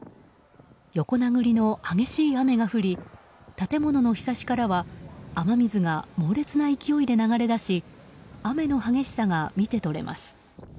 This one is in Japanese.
横殴りの激しい雨が降り建物のひさしからは雨水が猛烈な勢いで流れ出し雨の激しさが見て取れます。